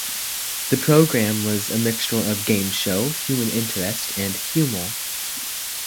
The program was a mixture of game show, human interest and humour.